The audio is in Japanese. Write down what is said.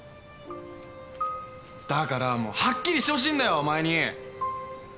だからもうはっきりしてほしいんだよお前に！